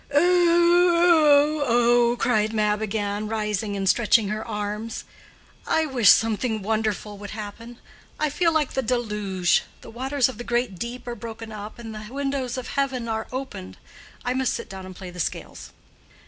"Oh—oh—oh!" cried Mab again, rising and stretching her arms. "I wish something wonderful would happen. I feel like the deluge. The waters of the great deep are broken up, and the windows of heaven are opened. I must sit down and play the scales."